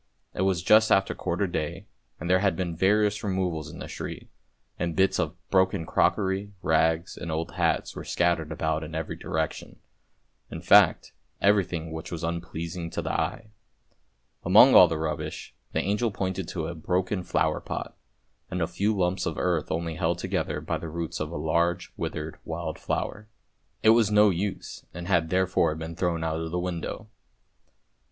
It was just after quarter day, and there had been various removals in the street, and bits of broken crockery, rags, and old hats were scattered about in every direction, in fact everything which was unpleasing to the eye. Among all the rubbish, the angel pointed to a broken flower pot and a few lumps of earth only held together by the roots of a large withered wild flower. It was no use and had there fore been thrown out of the window.